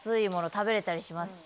食べれたりしますし。